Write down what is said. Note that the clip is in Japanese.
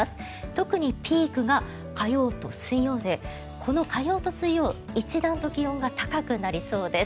特にピークが火曜と水曜でこの火曜と水曜一段と気温が高くなりそうです。